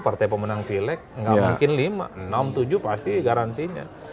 partai pemenang pilek nggak mungkin lima enam tujuh pasti garansinya